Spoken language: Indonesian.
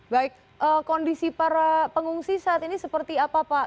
baik kondisi para pengungsi saat ini seperti apa pak